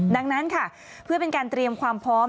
ดังนั้นค่ะเพื่อเป็นการเตรียมความพร้อม